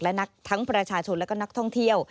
และทั้งประชาชนและก็นักท่องเที่ยว